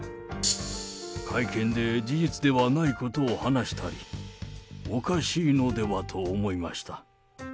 会見で事実ではないことを話したり、おかしいのではと思いました。